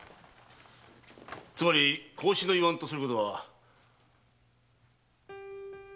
つまり孔子の言わんとすることは。